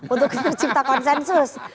untuk mencipta konsensus